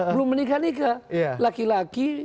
belum menikah nikah laki laki